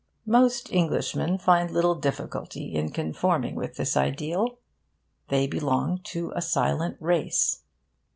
Most Englishmen find little difficulty in conforming with this ideal. They belong to a silent race.